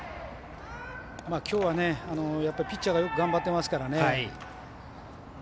きょうは、ピッチャーがよく頑張っていますからね。